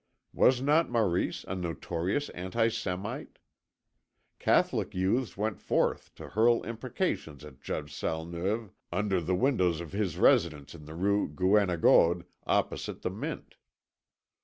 Was not Maurice a notorious anti Semite? Catholic youths went forth to hurl imprecations at Judge Salneuve under the windows of his residence in the Rue Guénégaud, opposite the Mint.